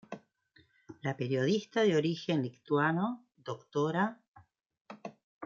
La periodista de origen lituano Dra.